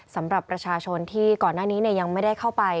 สำหรับประชาชนที่ก่อนหน้านี้ยังไม่ได้เข้าไป